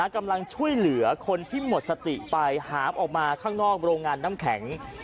กำลังช่วยเหลือคนที่หมดสติไปหามออกมาข้างนอกโรงงานน้ำแข็ง